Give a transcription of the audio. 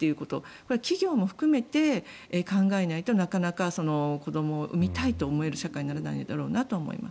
これは企業も含めて考えないとなかなか子どもを産みたいと思える社会にならないなと思います。